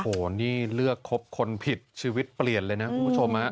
โอ้โหนี่เลือกครบคนผิดชีวิตเปลี่ยนเลยนะคุณผู้ชม